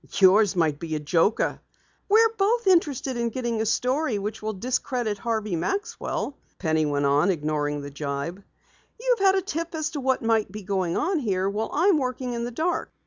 "Yours might be a joker!" "We're both interested in getting a story which will discredit Harvey Maxwell," Penny went on, ignoring the jibe. "You've had a tip as to what may be going on here, while I'm working in the dark.